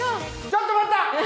ちょっと待った！